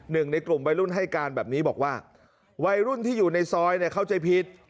หนึ่งในกลุ่มวัยรุ่นให้การแบบนี้บอกว่าวัยรุ่นที่อยู่ในซอยเข้าใจผิด